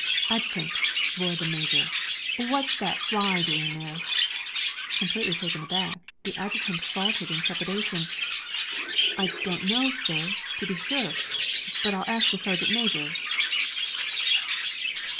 "Adjutant!" roared the Major, "what's that fly doing there?" Completely taken aback, the Adjutant faltered in trepidation: "I don't know, sir, to be sure. But I'll ask the Sergeant Major!"